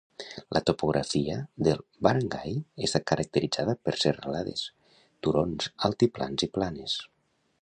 La topografia del barangay està caracteritzada per serralades, turons, altiplans i planes.